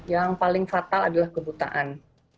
yang paling fatal adalah kebutaan